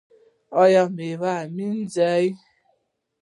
ایا میوه مینځئ؟